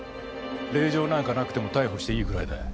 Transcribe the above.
令状なんかなくても逮捕していいぐらいだよ。